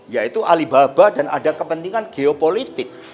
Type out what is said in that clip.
yaitu alibaba dan ada kepentingan geopolitik